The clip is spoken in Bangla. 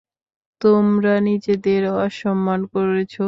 তোমরা নিজেদের অসম্মান করেছো।